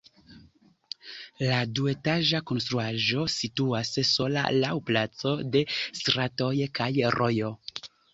La duetaĝa konstruaĵo situas sola laŭ placo, du stratoj kaj rojo.